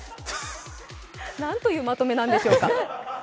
何というまとめなんでしょうか。